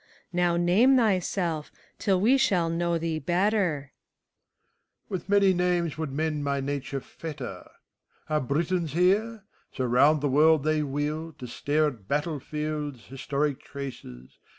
Now name thyself, till we shall know thee better. MEPHISTOPHELES. With many names would men my nature fetter. Are Britons heref So round the world they wheel, To stare at battle fields, historic traces.